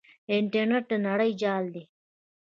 انټرنیټ د نړۍ جال دی.